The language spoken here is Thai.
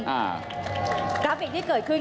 กราฟิกที่เกิดขึ้น